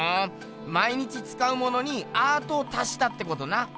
毎日つかうものにアートを足したってことな。